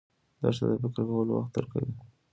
دښته د فکر کولو وخت درکوي.